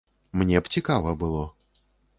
Мне б цікава было.